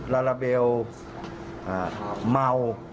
ลาลาเบลเมา